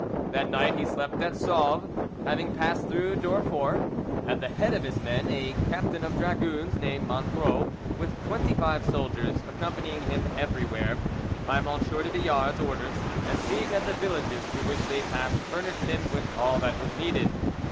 That night he slept at Sauves, having passed through Durfort at the head of his men; a captain of dragoons named Montgros, with twenty five soldiers, accompanying him everywhere, by M. de Villars' orders, and seeing that the villages through which they passed furnished him with all that was needed.